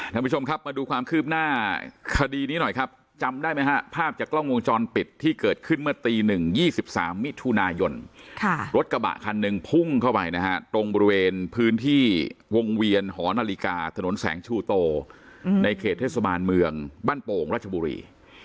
ท่านผู้ชมครับมาดูความคืบหน้าคดีนี้หน่อยครับจำได้ไหมฮะภาพจากกล้องวงจรปิดที่เกิดขึ้นเมื่อตี๑๒๓มิถุนายนรถกระบะคันหนึ่งพุ่งเข้าไปนะฮะตรงบริเวณพื้นที่วงเวียนหอนาฬิกาถนนแสงชูโตในเขตเทศบาลเมืองบ้านโป่งรัชบุรี